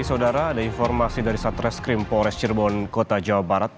saudara ada informasi dari satreskrim polres cirebon kota jawa barat